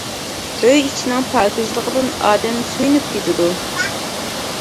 ئۆي ئىچىنىڭ پاكىزلىقىدىن ئادەم سۆيۈنۈپ كېتىدۇ.